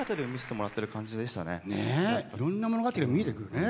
いろんな物語が見えて来るね。